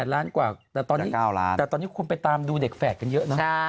๘๙ล้านแต่ตอนนี้ควรไปตามดูเด็กแฝดกันเยอะนะ